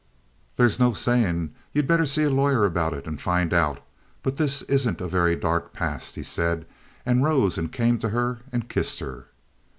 "There's no saying. You'd better see a lawyer about it and find out. But this isn't a very dark past," he said, and rose and came to her and kissed her.